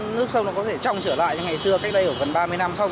nước sông nó có thể trong trở lại như ngày xưa cách đây ở gần ba mươi năm không